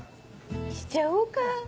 しちゃおうか。